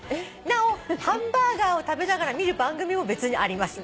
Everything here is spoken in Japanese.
「なおハンバーガーを食べながら見る番組も別にあります」